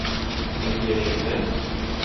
Ә киләчәктә?